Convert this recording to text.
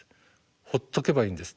ほっとけばいいんです。